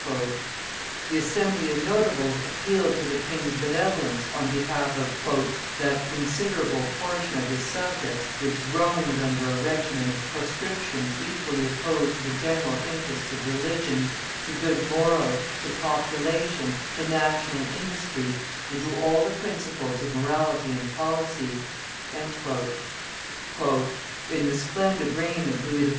The Assembly of notables appealed to the king's benevolence on behalf of "that considerable portion of his subjects which groans under a regimen of proscription equally opposed to the general interests of religion, to good morals, to population, to national industry, and to all the principles of morality and policy." "In the splendid reign of Louis XIV.